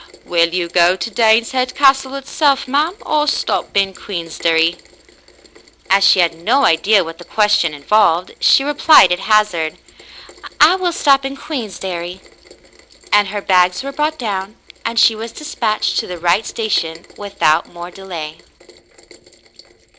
*'Will you go to Daneshead Castle itself, ma'm, or stop in Queensderry ?'* As she had no idea what the question involved, she replied at hazard. '*I will stop in Queensderry." And her bags were brought down, and she was despatched to the right sta tion without more delay.